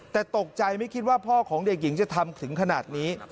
แต่ตกใจไม่คิดว่าพ่อของเด็กหญิงจะทำถึงขนาดนี้